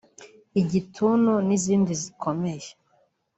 igituntu n’izindi zikomeye